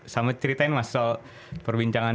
sama ceritain mas soal perbincangan